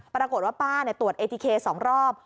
ปรากฏว่าป้าเนี่ยตรวจเอทีเคสสองรอบ